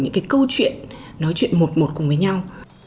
những cái câu chuyện nói chuyện một một cùng với nhau